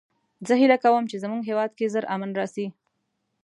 زه هیله کوم چې د مونږ هیواد کې ژر امن راشي